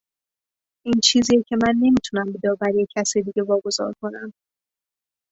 این چیزی است که من نمیتوانم به داوری کسی دیگری واگذار کنم.